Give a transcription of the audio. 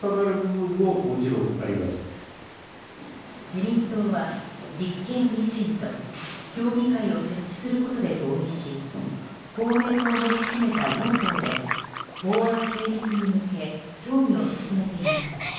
自民党は、立憲・維新と協議会を設置することで合意し公明党も含めた４党で法案成立に向け協議を進めていました。